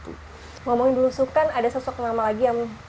itu kan ada sosok nama lagi yang